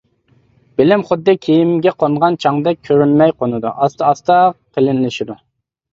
بىلىم خۇددى كىيىمگە قونغان چاڭدەك كۆرۈنمەي قونىدۇ، ئاستا-ئاستا قېلىنلىشىدۇ.